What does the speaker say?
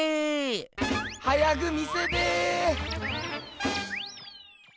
早く見せて！